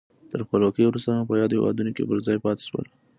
تر خپلواکۍ وروسته هم په یادو هېوادونو کې پر ځای پاتې شول.